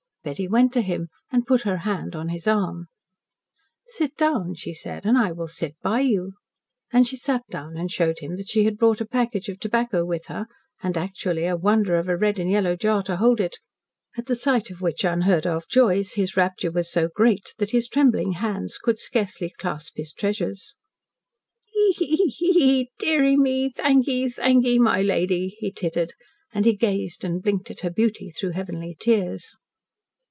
Betty went to him, and put her hand on his arm. "Sit down," she said, "and I will sit by you." And she sat down and showed him that she had brought a package of tobacco with her, and actually a wonder of a red and yellow jar to hold it, at the sight of which unheard of joys his rapture was so great that his trembling hands could scarcely clasp his treasures. "Tee hee! Tee hee ee! Deary me! Thankee thankee, my lady," he tittered, and he gazed and blinked at her beauty through heavenly tears.